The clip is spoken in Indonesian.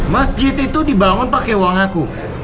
masjid ini dibangun pake uang aku